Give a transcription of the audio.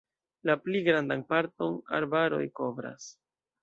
La pli grandan parton arbaroj kovras.